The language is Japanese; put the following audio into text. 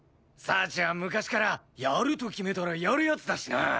幸は昔からやると決めたらやる奴だしな。